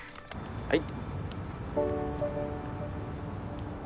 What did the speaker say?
・はい。